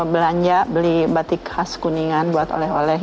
belanja beli batik khas kuningan buat oleh oleh